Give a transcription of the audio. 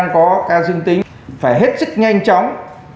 có ca dương tính phải hết sức nhanh chóng